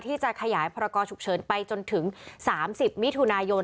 ที่จะขยายพลทำศุกร์เชิญไปจนถึง๓๐มิถุนายน